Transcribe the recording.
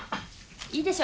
いいでしょ